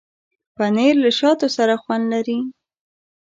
پنېر له شاتو سره خوند لري.